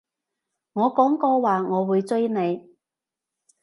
我講過話我會追你